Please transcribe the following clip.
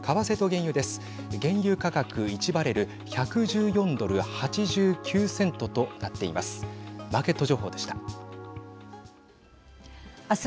原油価格、１バレル１１４ドル８９セントとなっています。